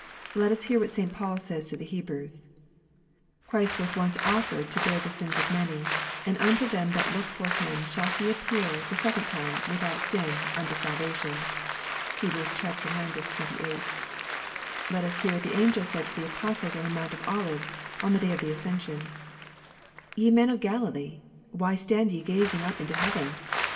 Let us hear what St. Paul says to the Hebrews :" Christ was once offered to bear the sins of many ; and unto them that look for Him shall He appear the second time, without sin, unto salvation." (Heb. ix. 28.) Let us hear what the angel said to the Apostles on the Mount of Olives, in the day of the ascension : "Ye men of Galilee, why stand ye gazing up into heaven?